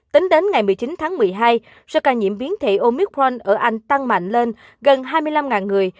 tính đến ngày một mươi chín tháng một mươi hai sơ ca nhiễm biến thể omicron ở anh tăng mạnh lên gần hai mươi năm người